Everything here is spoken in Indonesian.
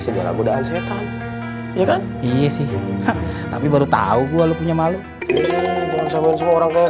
segala mudahan setan iya kan iya sih tapi baru tahu gua lu punya malu jangan sama orang kayak